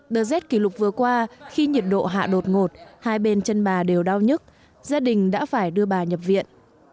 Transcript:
đợt rét kỷ lục vừa qua khi nhiệt độ hạ đột ngột hai bên chân bà đều đau nhức gia đình đã phải đưa bà nhập viện